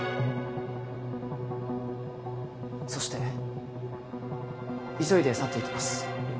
そして急いで去っていきます